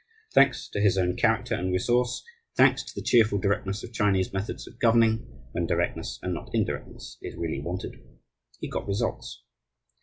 Thanks to his own character and resource, thanks to the cheerful directness of Chinese methods of governing (when directness and not indirectness is really wanted), he "got results."